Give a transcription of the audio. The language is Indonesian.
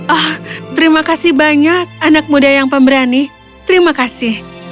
oh terima kasih banyak anak muda yang pemberani terima kasih